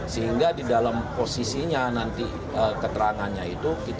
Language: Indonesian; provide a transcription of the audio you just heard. sehingga di dalam posisinya nanti keterangannya itu